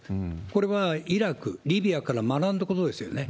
これはイラク、リビアから学んだことですよね。